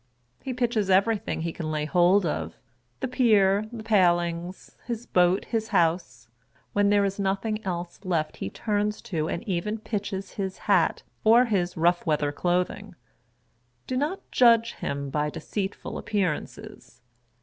He pitches everything he can lay hold of, — the pier, the palings, his boat, his house — when there is nothing else left he turns to and even pitches his hat, or his rough weather clothing. Do not judge him by deceitful appearances.